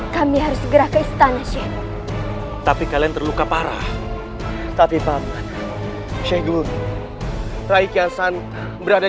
kami harus gerak istana sih tapi kalian terluka parah tapi papan syekh gulai raikian santan berada